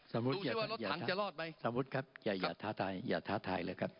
สมมุติครับอย่าท้าทายอย่าท้าทายเลยครับ